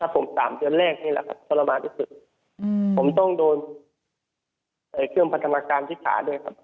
ผมต้องโดนแนบเครื่องปัจจำกามที่ขา